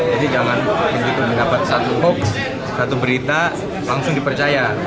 jadi jangan begitu mendapat satu hoax satu berita langsung dipercaya